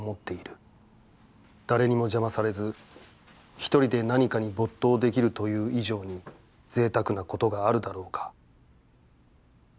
誰にも邪魔されず、ひとりで何かに没頭できるという以上に贅沢なことがあるだろうか」。